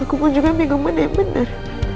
aku pun juga ingin pengemban yang bener